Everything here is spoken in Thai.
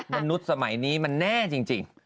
มนุษย์สมัยนี้มันแน่จริง